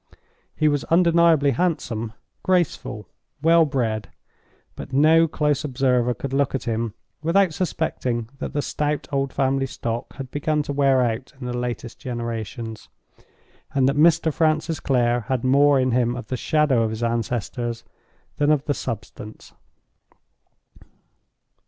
He was undeniably handsome, graceful, well bred—but no close observer could look at him without suspecting that the stout old family stock had begun to wear out in the later generations, and that Mr. Francis Clare had more in him of the shadow of his ancestors than of the substance.